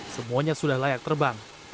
semuanya sudah layak terbang